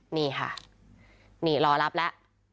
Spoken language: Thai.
นี่ค่ะนี่รอรับแล้ว